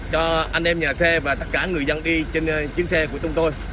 cho anh em nhà xe và tất cả người dân đi trên chiến xe của chúng tôi